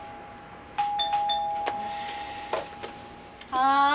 ・はい。